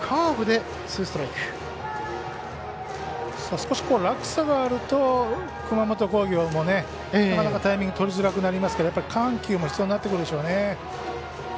少し落差があると、熊本工業もなかなか、タイミングがとりづらくなりますから緩急も必要になってくるでしょうね。